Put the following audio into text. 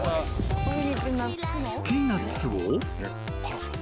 ［ピーナツを］